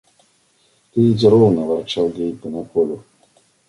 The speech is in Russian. Ты иди ровно, – ворчал Гейка на Колю.